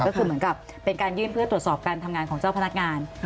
ก็คือเหมือนกับเป็นการยื่นเพื่อตรวจสอบการทำงานของเจ้าพนักงาน